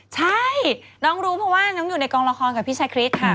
ใช่น้องรู้เพราะว่าน้องอยู่ในกองละครกับพี่ชาคริสค่ะ